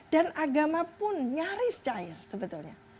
dan agama pun nyaris cair sebetulnya